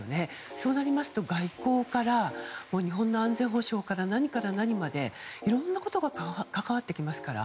そうなりますと外交から、日本の安全保障から何から何までいろんなことが関わってきますから。